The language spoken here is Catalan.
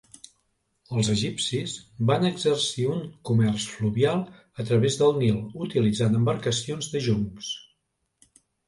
Els egipcis van exercir un comerç fluvial a través del Nil utilitzant embarcacions de joncs.